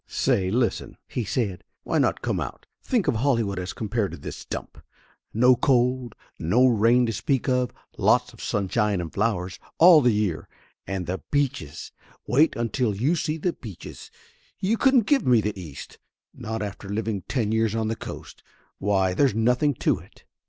"Say, listen !" he said. "Why not come out ? Think of Hollywood as compared to this dump! No cold, no rain to speak of lots of sunshine and flowers all the year. And the beaches wait until you see the beaches ! You couldn't give me the East ! Not after living ten years on the Coast! Why, there's nothing to it!"